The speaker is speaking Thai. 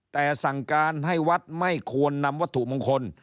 แต่สั่งการให้วัดไม่ควรนำวัตถุมงคล